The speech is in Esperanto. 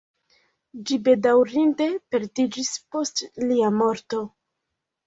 Ĝi bedaŭrinde perdiĝis post lia morto.